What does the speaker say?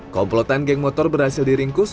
komplotan geng motor berhasil diringkus